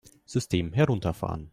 System herunterfahren!